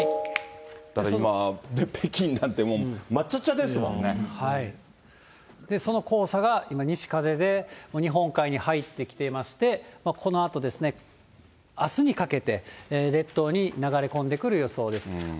だから、今、北京なんてもう、その黄砂が今、西風で日本海に入ってきていまして、このあとですね、あすにかけて列島に流れ込んでくる予想です。